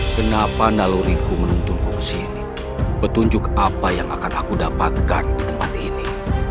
kenapa naluriku menuntunku ke sini petunjuk apa yang akan aku dapatkan di tempat ini